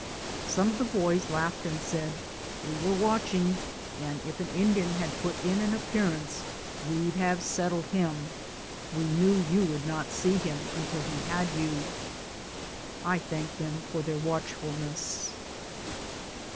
Some of the boys laughed and said, "We were watching, and if an Indian had put in an appearance we'd have settled him ; we knew you would not see him until he had 'you." I thanked them for their watchful ness.